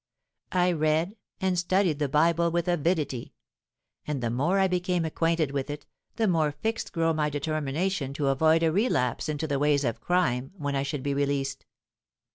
I read and studied the Bible with avidity; and the more I became acquainted with it, the more fixed grow my determination to avoid a relapse into the ways of crime when I should be released.